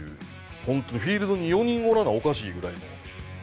本当にフィールドに４人おらなおかしいぐらいの。